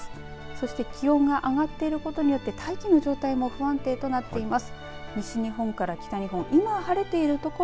そして気温が上がっていることによって大気の状態も不安定となっています。